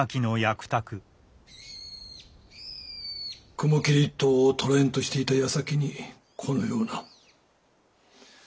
雲霧一党を捕らえんとしていたやさきにこのような。